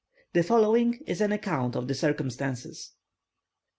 The following is an account of the circumstances.